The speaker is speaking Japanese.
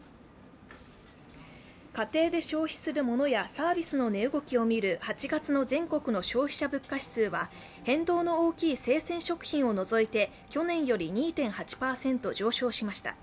家庭で消費するモノやサービスの値動きを見る８月の全国の消費者物価指数は、変動の大きい生鮮食品を除いて去年より２．８％上昇しました。